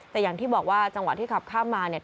แต่อย่างที่บอกว่าจังหวะที่ขับข้ามมาเนี่ย